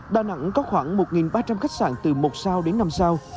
đà nẵng có khoảng một ba trăm linh khách sạn từ một sao đến năm sao